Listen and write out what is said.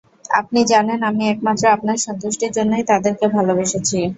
আপনি জানেন, আমি একমাত্র আপনার সন্তুষ্টির জন্যই তাদেরকে ভালবেসেছি।